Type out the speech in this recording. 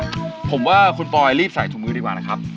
ผมว่าคุณปอยรีบใส่ถุงมือดีกว่านะครับ